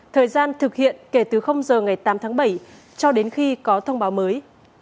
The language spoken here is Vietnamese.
thời gian thực hiện kể từ giờ ngày tám tháng bảy cho đến khi có thông báo mới